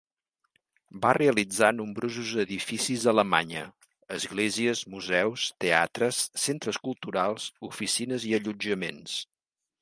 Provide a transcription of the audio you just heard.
Va realitzar nombrosos edificis a Alemanya: esglésies, museus, teatres, centres culturals, oficines i allotjaments.